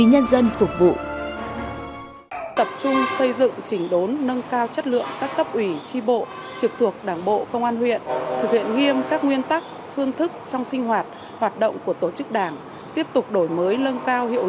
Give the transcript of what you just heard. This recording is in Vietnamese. hãy đăng ký kênh để ủng hộ kênh của chúng tôi nhé